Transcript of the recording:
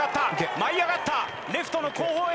舞い上がった、レフトの後方へ。